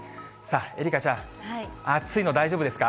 愛花ちゃん、暑いの大丈夫ですか？